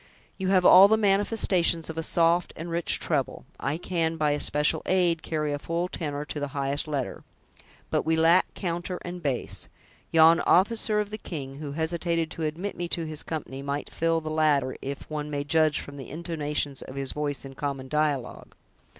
You have all the manifestations of a soft and rich treble; I can, by especial aid, carry a full tenor to the highest letter; but we lack counter and bass! Yon officer of the king, who hesitated to admit me to his company, might fill the latter, if one may judge from the intonations of his voice in common dialogue."